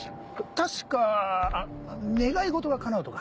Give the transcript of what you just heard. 確か願い事がかなうとか。